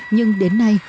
nhưng đến nay